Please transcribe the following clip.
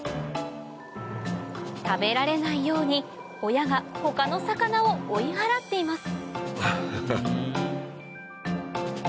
食べられないように親が他の魚を追い払っています